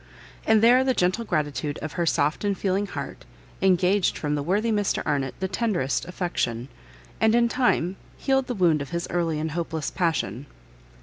And there the gentle gratitude of her soft and feeling heart, engaged from the worthy Mr Arnott the tenderest affection, and, in time, healed the wound of his early and hopeless passion.